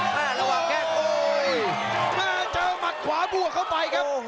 ระหว่างแข้งโอ้ยมาเจอหมัดขวาบวกเข้าไปครับ